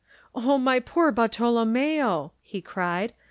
"Oh, my poor Bartolommeo!" he cried.